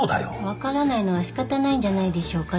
分からないのは仕方ないんじゃないでしょうか。